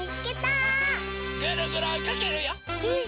ぐるぐるおいかけるよ！